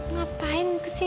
ngapain kesini sih